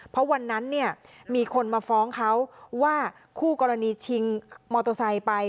เพราะวันนั้นเนี่ยมีคนมาฟ้องเขาว่าคู่กรณีชิงมอเตอร์ไซค์ไป